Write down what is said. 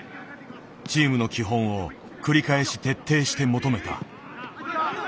チームの基本を繰り返し徹底して求めた。